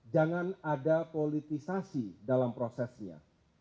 jangan ada politisasi dalam prosesnya